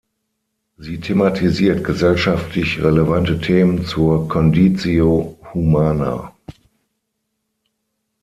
Sie thematisiert gesellschaftlich relevante Themen zur conditio humana.